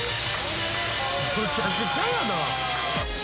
⁉むちゃくちゃやな。